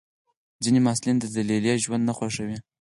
ځینې محصلین د لیلیې ژوند نه خوښوي.